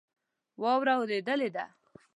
واوره اوریدلی ده